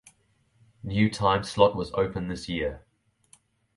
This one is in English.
New time slot was opened this year.